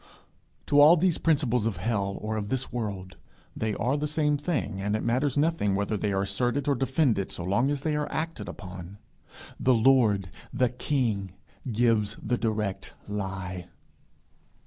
To all these principles of hell, or of this world they are the same thing, and it matters nothing whether they are asserted or defended so long as they are acted upon the Lord, the king, gives the direct lie.